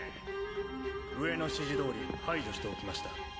上の指示どおり排除しておきました。